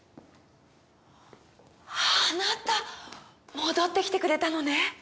戻ってきてくれたのね。